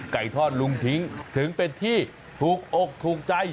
ไก่ทอดลุงทิ้งถึงเป็นที่ถูกอกถูกใจ